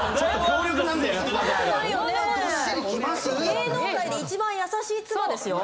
芸能界で一番優しい妻ですよ。